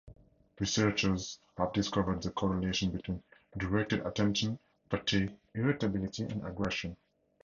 Researchers here discovered the correlation between Directed Attention Fatigue, irritability and aggression.